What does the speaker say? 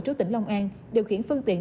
trú tỉnh long an điều khiển phương tiện